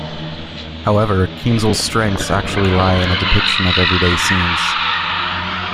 However, Kienzl's strengths actually lie in the depiction of everyday scenes.